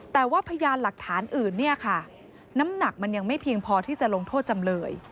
แต่ว่าพยานหลักฐานอื่นเนี่ยค่ะน้ำหนักมันยังไม่เพียงพอที่จะลงโทษจำเลย